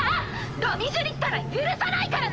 ロミジュリったら許さないからね！